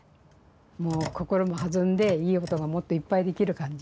もう心も弾んでいい音がもっといっぱいできる感じ。